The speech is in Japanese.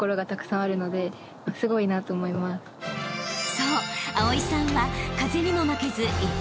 ［そう蒼さんは］